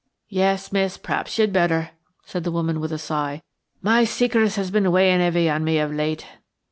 "Yes, miss; p'r'aps you'd better," said the woman with a sigh. "My secret has been weighin' heavy on me of late."